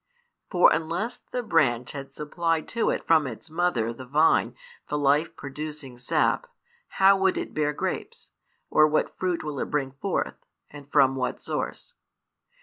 For unless the branch had supplied to it from its mother the vine the life producing sap, how would it bear grapes, or what fruit will it bring forth, and from what source?